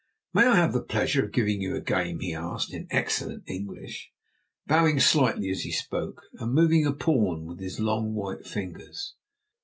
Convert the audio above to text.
"May I have the pleasure of giving you a game?" he asked in excellent English, bowing slightly as he spoke, and moving a pawn with his long white fingers.